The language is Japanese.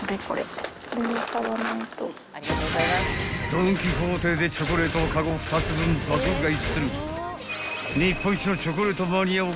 ［ドン・キホーテでチョコレートをカゴ２つ分爆買いする］